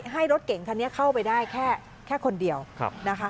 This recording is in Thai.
รถเก่งคันนี้เข้าไปได้แค่คนเดียวนะคะ